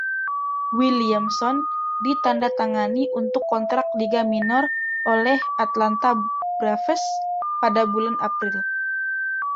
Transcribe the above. Williamson ditandatangani untuk kontrak liga minor oleh Atlanta Braves pada bulan April.